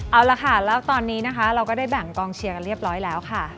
เอาละค่ะแล้วตอนนี้นะคะเราก็ได้แบ่งกองเชียร์กันเรียบร้อยแล้วค่ะ